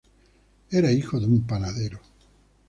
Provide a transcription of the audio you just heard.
Era hijo de un panadero.